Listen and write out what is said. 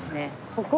ここ。